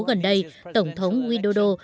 gần đây tổng thống widodo